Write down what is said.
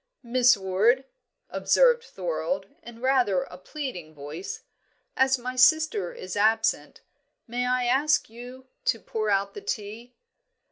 "Miss Ward," observed Thorold, in rather a pleading voice, "as my sister is absent, may I ask you to pour out the tea."